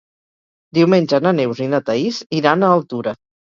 Diumenge na Neus i na Thaís iran a Altura.